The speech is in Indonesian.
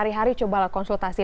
hari hari cobalah konsultasi